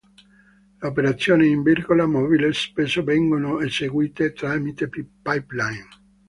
Le operazioni in virgola mobile spesso vengono eseguite tramite pipeline.